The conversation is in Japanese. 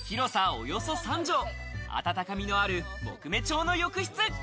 およそ３畳、温かみのある木目調の浴室。